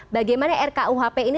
bagaimana rkuhp ini